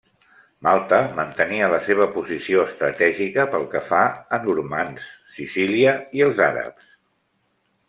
Malta mantenia la seva posició estratègica pel que fa a normands, Sicília i els àrabs.